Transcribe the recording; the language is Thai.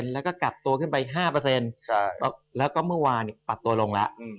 แล้วก็กลับตัวขึ้นไป๕แล้วก็เมื่อวานปรับตัวลงแล้ว